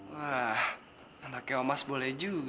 wah anaknya omas boleh juga